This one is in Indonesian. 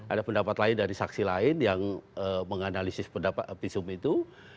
ada pendapat lain dari saksi lain yang menganalisis pendapat visum itu